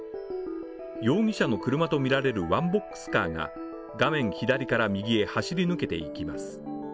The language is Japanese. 容疑者の車とみられるワンボックスカーが画面左から右へ走り抜けていきます。